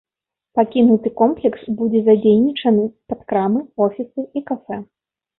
Пакінуты комплекс будзе задзейнічаны пад крамы, офісы і кафэ.